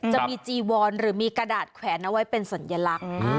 จะมีจีวอนหรือมีกระดาษแขวนเอาไว้เป็นสัญลักษณ์